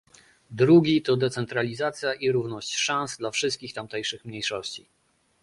Drugi to decentralizacja i równość szans dla wszystkich tamtejszych mniejszości